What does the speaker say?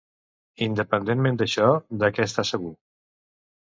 Independentment d'això, de què està segur?